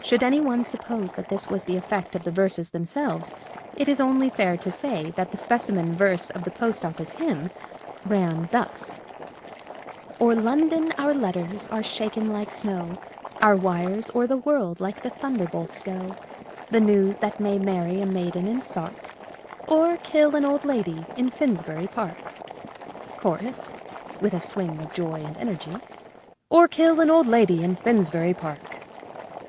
Should any one suppose that this was the effect of the verses themselves, it is only fair to say that the specimen verse of the Post Office Hymn ran thus : The Little Birds Who Won't Sing " O'er London our letters are shaken like snow, Our wires o'er the world like the thunderbolts go. The news that may marry a maiden in Sark, Or kill an old lady in Finsbury Park." Chorus (with a swing of joy and energy) :" Or kill an old lady in Finsbury Park."